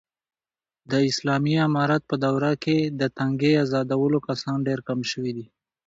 د اسالامي امارت په دوره کې، د تنگې ازادولو کسان ډېر کم شوي دي.